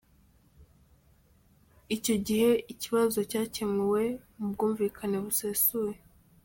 Icyo gihe ikibazo cyakemuwe mu bwumvikane busesuye.